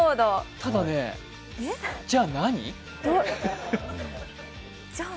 ただね、じゃあ、何？